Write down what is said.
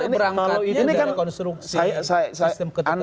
kita berangkat dari konstruksi sistem ketentangan